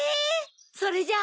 それじゃあ。